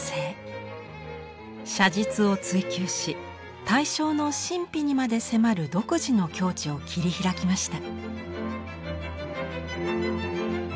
写実を追求し対象の神秘にまで迫る独自の境地を切り開きました。